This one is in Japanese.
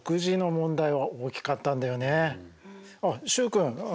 あっ習君